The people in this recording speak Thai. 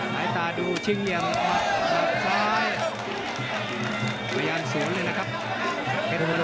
สายตาดูชิงเหลี่ยมมัดซ้อยบรรยานเสียงเลยนะครับ